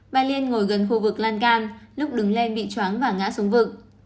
bà liên ngồi gần khu vực lan can lúc đứng lên bị chóng và ngã xuống vực